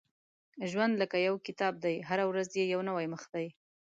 • ژوند لکه یو کتاب دی، هره ورځ یې یو نوی مخ دی.